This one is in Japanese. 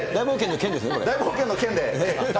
大冒険のＫで。